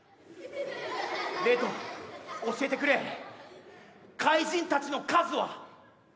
レッド教えてくれ怪人たちの数は？